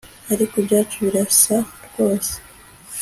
ariko ibyacu birasa rwose